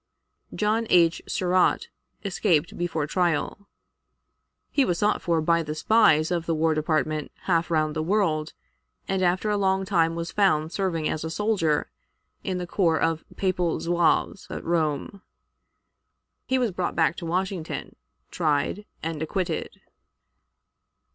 John H. Surratt escaped before trial. He was sought for by the spies of the War Department half round the world, and after a long time was found serving as a soldier in the corps of Papal Zouaves at Rome. He was brought back to Washington, tried, and acquitted.